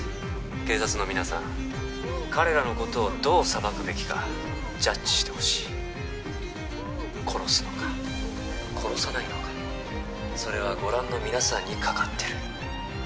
警察の皆さん彼らのことをどう裁くべきかジャッジしてほしい殺すのか殺さないのかそれはご覧の皆さんにかかってる